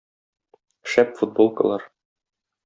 Шәп футболкалар.